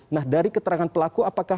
nah dari keterangan pelaku apakah